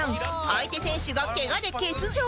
相手選手がケガで欠場